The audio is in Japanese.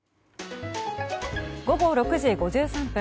午後６時５３分。